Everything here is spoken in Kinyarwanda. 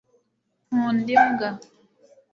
nkunda imbwa